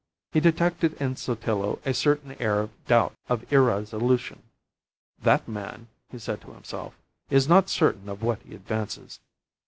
He detected in Sotillo a certain air of doubt, of irresolution. "That man," he said to himself, "is not certain of what he advances."